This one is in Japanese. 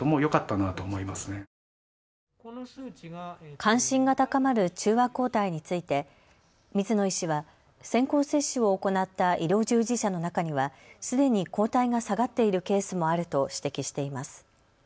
関心が高まる中和抗体について水野医師は先行接種を行った医療従事者の中にはすでに抗体が下がっているケースもあると指摘しています。